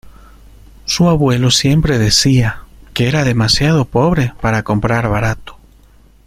Su abuelo siempre decía que era demasiado pobre para comprar barato.